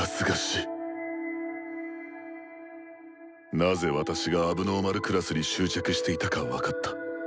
なぜ私が問題児クラスに執着していたか分かった。